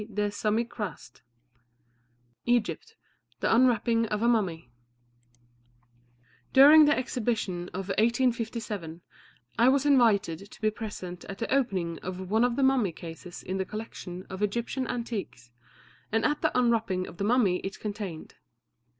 Egypt EGYPT THE UNWRAPPING OF A MUMMY During the Exhibition of 1857, I was invited to be present at the opening of one of the mummy cases in the collection of Egyptian antiquities, and at the unwrapping of the mummy it contained.